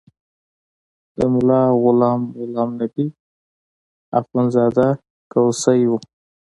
د ملا غلام غلام نبي اخندزاده کوسی و.